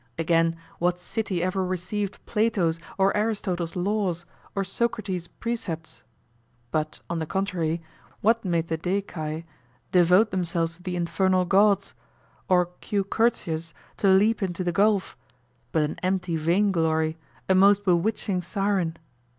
Again what city ever received Plato's or Aristotle's laws, or Socrates' precepts? But, on the contrary, what made the Decii devote themselves to the infernal gods, or Q. Curtius to leap into the gulf, but an empty vainglory, a most bewitching siren?